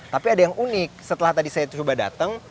tapi ada yang unik setelah tadi saya coba datang